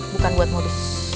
bukan buat modus